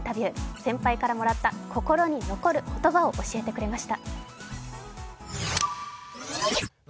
先輩からもらった心に残る言葉を教えてくれました。